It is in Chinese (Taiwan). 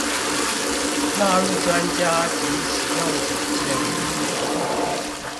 納入專家及使用者建議